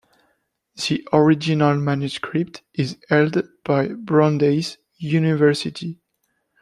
The original manuscript is held by Brandeis University.